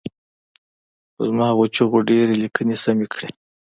زما غو چیغو ډېرو لیکني سمې کړي.